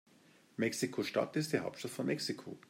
Mexiko-Stadt ist die Hauptstadt von Mexiko.